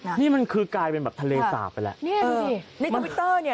นี่นี่มันคือกลายเป็นแบบทะเลสาผันล่ะเนี่ยนี่อันต่อสิในเนี่ย